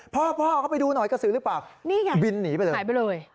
พอเขาไปดูหน่อยกระสือหรือเปล่าบินหนีไปเลย